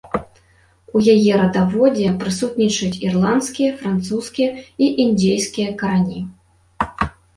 У яе радаводзе прысутнічаюць ірландскія, французскія і індзейскія карані.